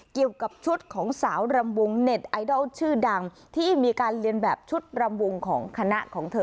เกี่ยวกับชุดของสาวรำวงเน็ตไอดอลชื่อดังที่มีการเรียนแบบชุดรำวงของคณะของเธอ